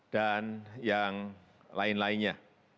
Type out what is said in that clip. dan yang lain lainnya